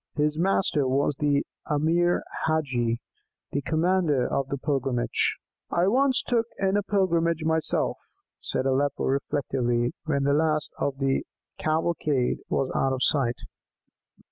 His master was the Emir Hadgi, the commander of the pilgrimage. "I once took part in a pilgrimage myself," said Aleppo reflectively, when the last of the cavalcade was out of sight.